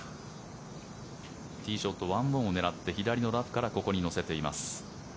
ティーショット１オンを狙って左のラフからここに乗せています。